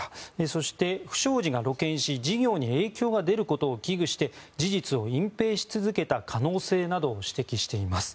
そして不祥事が露見し事業に影響が出ることを危惧して事実を隠蔽し続けた可能性などを指摘しています。